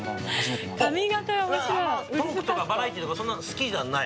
トークとかバラエティーとかそんな好きじゃない？